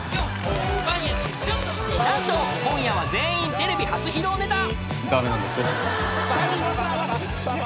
［何と今夜は全員テレビ初披露ネタ］